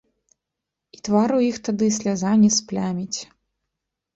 І твару іх тады сляза не спляміць.